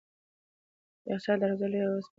د یخچال دروازه لویه او سپینه وه.